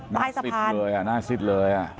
ใต้สะพานหน้าสิดเลย